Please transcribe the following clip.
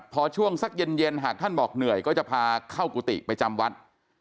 พอช่วงสักเย็นหากท่านบอกเหนื่อยก็จะพาเข้ากุฏิไปจำวัด